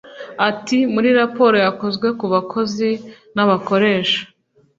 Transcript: Ati “ Muri raporo yakozwe ku bakozi n’abakoresha